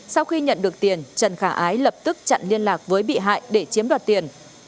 sau khi nhận được tiền trần khả ái lập tức chặn liên lạc với bị hại để chiếm đoạt tiền